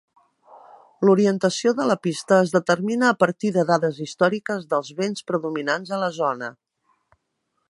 L'orientació de la pista es determina a partir de dades històriques dels vents predominants a la zona.